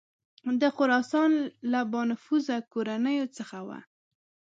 د خراسان له بانفوذه کورنیو څخه وه.